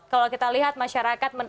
kalau kita lihat masyarakat